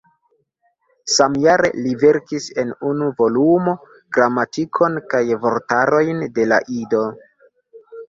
Samjare li verkis en unu volumo gramatikon kaj vortarojn de Ido.